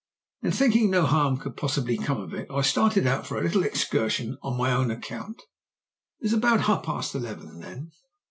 Then, thinking no harm could possibly come of it, I started out for a little excursion on my own account. It was about half past eleven then.